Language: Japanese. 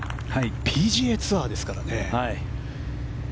ＰＧＡツアーですからね。